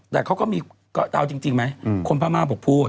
แต่เขาก็มีก็เอาจริงไหมคนพม่าบอกพูด